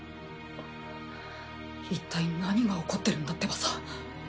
いったい何が起こってるんだってばさ。